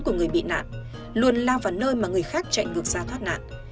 của người bị nạn luôn lao vào nơi mà người khác chạy ngược ra thoát nạn